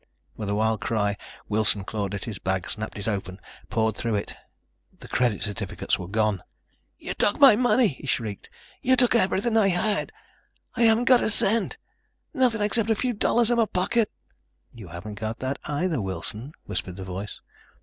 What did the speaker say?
With a wild cry Wilson clawed at his bag, snapped it open, pawed through it. The credit certificates were gone! "You took my money," he shrieked. "You took everything I had. I haven't got a cent. Nothing except a few dollars in my pocket." "You haven't got that either, Wilson," whispered the voice.